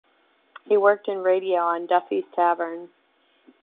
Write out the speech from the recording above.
He worked in radio, on Duffy's Tavern.